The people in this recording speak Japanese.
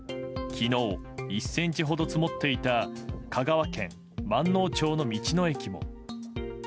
昨日、１ｃｍほど積もっていた香川県まんのう町の道の駅も。